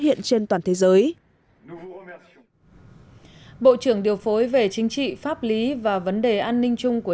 hiện trên toàn thế giới bộ trưởng điều phối về chính trị pháp lý và vấn đề an ninh chung của